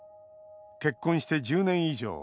結婚して１０年以上。